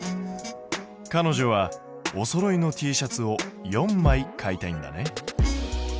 かのじょはおそろいのＴシャツを４枚買いたいんだね。